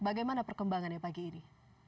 bagaimana perkembangannya pagi ini